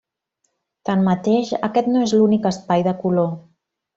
Tanmateix, aquest no és l'únic espai de color.